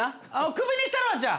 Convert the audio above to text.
クビにしたるわじゃあ。